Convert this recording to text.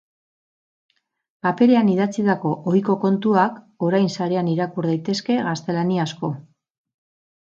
Paperean idatzitako ohiko kontuak orain sarean irakur daitezke gaztelaniazko.